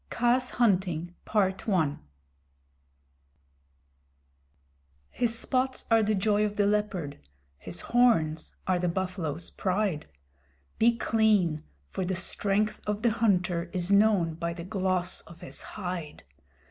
Kaa's Hunting His spots are the joy of the Leopard: his horns are the Buffalo's pride. Be clean, for the strength of the hunter is known by the gloss of his hide.